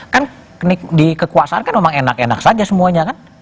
kan di kekuasaan kan memang enak enak saja semuanya kan